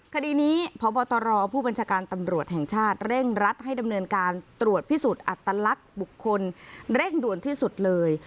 คดีนี้พบตรผู้บัญชาการตำรวจแห่งชาติเร่งรัดให้ดำเนินการตรวจพิสูจน์อัตลักษณ์บุคคลเร่งด่วนที่สุดเลย